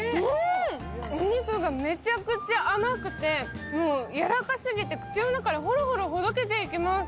お肉がめちゃくちゃ甘くて、もうやわらかすぎて口の中でほろほろほぐれていきます。